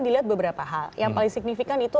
dilihat beberapa hal yang paling signifikan itu